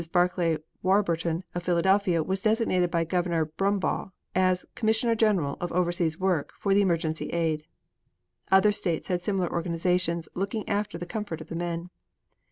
Barclay Warburton of Philadelphia was designated by Governor Brumbaugh as Commissioner General of Overseas Work for the Emergency Aid. Other states had similar organizations looking after the comfort of the men.